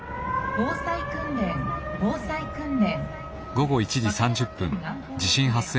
防災訓練防災訓練」。